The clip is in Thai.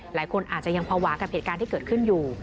หลายคนอาจจะยังภาวะกับเหตุการณ์ที่เกิดขึ้นอยู่